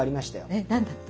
え何だった？